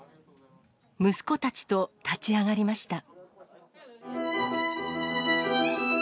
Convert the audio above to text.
息子たちと立ち上がりました。